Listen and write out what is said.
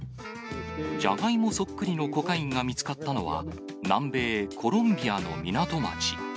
ジャガイモそっくりのコカインが見つかったのは、南米コロンビアの港町。